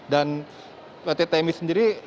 dan pt tmi sendiri